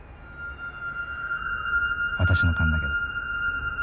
私の勘だけど。